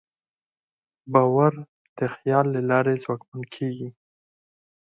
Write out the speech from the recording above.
باور د خیال له لارې ځواکمن کېږي.